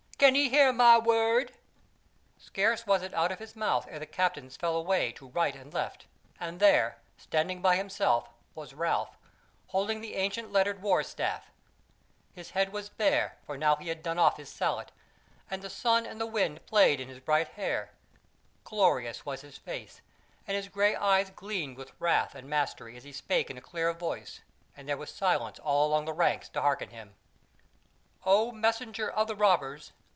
can he hear my word?" Scarce was it out of his mouth ere the captains fell away to right and left, and there, standing by himself, was Ralph, holding the ancient lettered war staff; his head was bare, for now he had done off his sallet, and the sun and the wind played in his bright hair; glorious was his face, and his grey eyes gleamed with wrath and mastery as he spake in a clear voice, and there was silence all along the ranks to hearken him: "O messenger of the robbers!